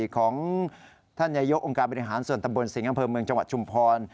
ของท่านนายกองค์การบริหารส่วนตำบลสิงห์อำเภอเมืองจังหวัดชุมพร